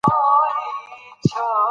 موږ باید ماشومانو ته مثبت فکر ورکړو.